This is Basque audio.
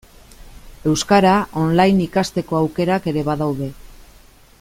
Euskara online ikasteko aukerak ere badaude.